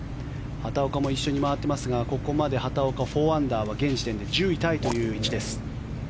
畑岡も一緒に回っていますがここまで畑岡、４アンダーは現時点で１０位タイという位置です。